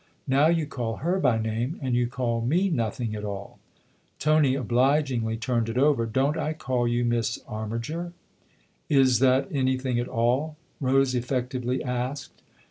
Now you call her by name and you call me nothing at all." Tony obligingly turned it over. " Don't I call you Miss Armiger ?"" Is that anything at all ?" Rose effectively asked.